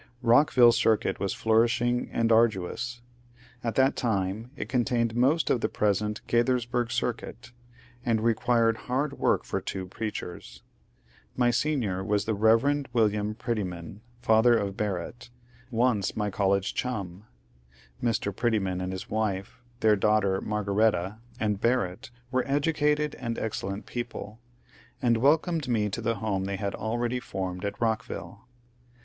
Rockville Circuit was flourishing and arduous. At that time it contained most of the present Gaithersburg Circuit, and required hard work for two preachers. My senior was the Bev. William Prettyman, father of Barrett, once my college chum. Mr. Prettyman and his wife, their daughter Marga retta, and Barrett were educated and excellent people, and welcomed me to the home they had already formed at Rock ville.